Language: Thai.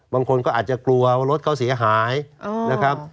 บางคนก็อาจจะกลัวว่ารถเขาเสียหายนะครับ